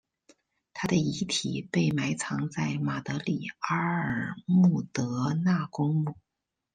她的遗体被埋葬在马德里阿尔穆德纳公墓。